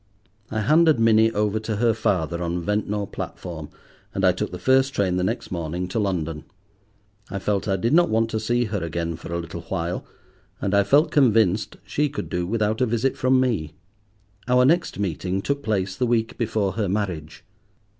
I handed Minnie over to her father on Ventnor platform; and I took the first train the next morning, to London. I felt I did not want to see her again for a little while; and I felt convinced she could do without a visit from me. Our next meeting took place the week before her marriage.